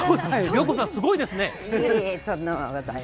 良子さん、すごいですね。